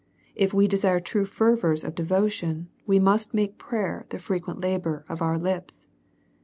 If we desire true fervour of devotion, we must make prayer the frequent labour of our lips.